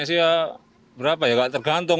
biasanya sih ya berapa ya gak tergantung